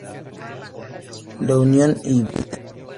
La Unión y Vda.